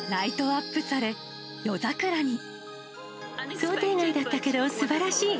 想定外だったけど、すばらしい。